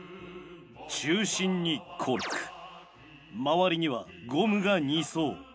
中心にコルク周りにはゴムが２層。